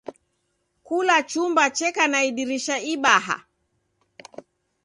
Kula chumba cheka na idirisha ibaha.